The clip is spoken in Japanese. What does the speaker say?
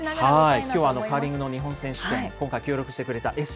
今回のカーリングの選手権、今回、協力してくれたＳＣ